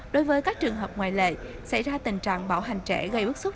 đối với các trường hợp ngoài lệ xảy ra tình trạng bảo hành trẻ gây bức xúc